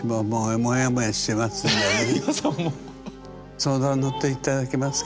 相談に乗って頂けますか？